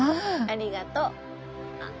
ありがとう。あっ！